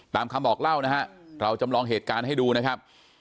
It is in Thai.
ตามคำบอกเล่านะฮะเราจำลองเหตุการณ์ให้ดูนะครับ